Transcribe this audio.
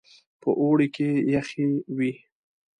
په اوړي کې يخې وې.